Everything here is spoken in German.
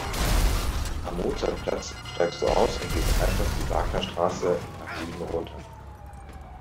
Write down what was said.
Am Mozartplatz steigst du aus und gehst einfach die Wagnerstraße nach Süden runter.